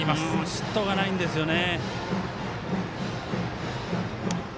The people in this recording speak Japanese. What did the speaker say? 失投がないんですよね。